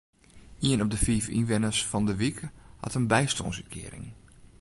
Ien op de fiif ynwenners fan de wyk hat in bystânsútkearing.